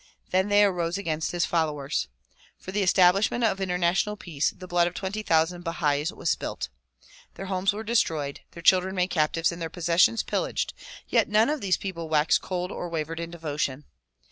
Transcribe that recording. Then they arose against his followers. For the establishment of international peace the blood of twenty thousand Bahais was spilt. Their homes were destroyed, their children made captives and their possessions pillaged yet none of these people waxed cold or wavered in devotion.